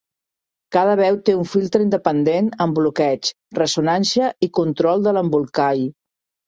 Cada veu té un filtre independent amb bloqueig, ressonància i control de l'embolcall.